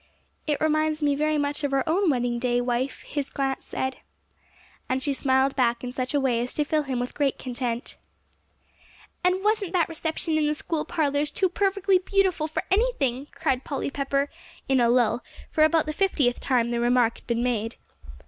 "It reminds me very much of our own wedding day, wife," his glance said. And she smiled back in such a way as to fill him with great content. "And wasn't that reception in the school parlors too perfectly beautiful for anything!" cried Polly Pepper, in a lull, for about the fiftieth time the remark had been made.